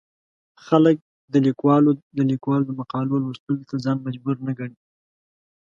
خلک د ليکوالو د مقالو لوستلو ته ځان مجبور نه ګڼي.